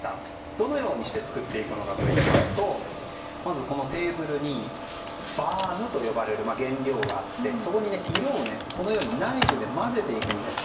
どのようにして作っていくのかといいますとまず、このテーブルにバームと呼ばれる原料があってそこに色をナイフで混ぜていくんです。